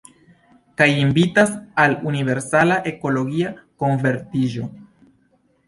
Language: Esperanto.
Kaj invitas al universala ekologia konvertiĝo.